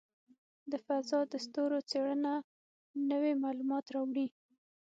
د فضاء د ستورو څېړنه نوې معلومات راوړي.